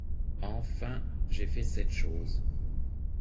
Enfin, j'ai fait cette chose!